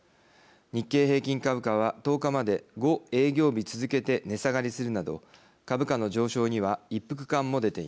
日経平均株価は１０日まで５営業日続けて値下がりするなど株価の上昇には一服感も出ています。